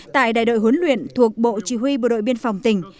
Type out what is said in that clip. tại đại đội huấn luyện thuộc bộ chỉ huy bộ đội biên phòng tỉnh